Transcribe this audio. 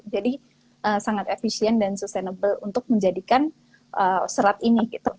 jadi sangat efisien dan sustainable untuk menjadikan serat ini gitu